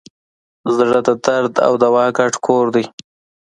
زړه د درد او دوا ګډ کور دی.